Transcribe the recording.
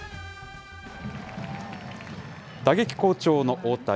打撃好調の大谷。